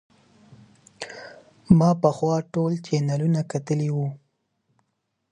ما پخوا ټول چینلونه کتلي وو.